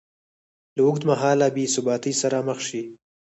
له اوږدمهاله بېثباتۍ سره مخ شي